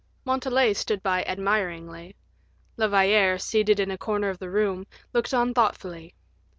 Montalais stood by admiringly; La Valliere, seated in a corner of the room, looked on thoughtfully.